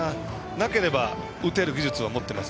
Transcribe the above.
なければ打てる技術を持っています。